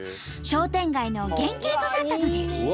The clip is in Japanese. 商店街の原形となったのです。